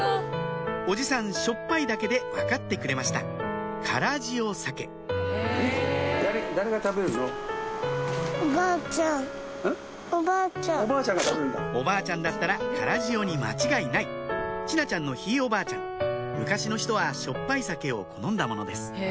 おじさん「しょっぱい」だけで分かってくれました辛塩サケおばあちゃんだったら辛塩に間違いない智奈ちゃんのひいおばあちゃん昔の人はしょっぱいサケを好んだものです